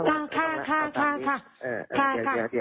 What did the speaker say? เออเอาตามนี้เออเอาตามนี้เออเอาตามนี้